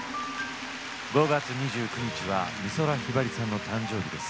５月２９日は美空ひばりさんの誕生日です。